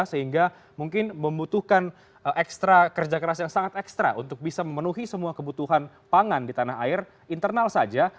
karena itu kita harus memiliki kerja keras yang sangat ekstra untuk bisa memenuhi semua kebutuhan pangan di tanah air internal saja